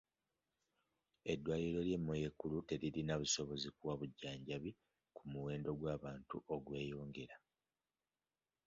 Eddwaliro ly'e Moyo ekkulu teririna busobozi kuwa bujjanjabi ku muwendo gw'abantu ogweyongera.